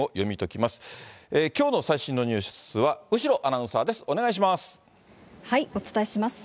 きょうの最新のニュースは後呂アナウンサーです。